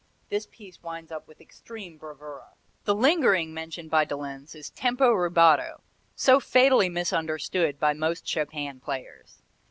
This piece winds up with extreme bravura. The "lingering" mentioned by de Lenz is tempo rubato, so fatally misunderstood by most Chopin players.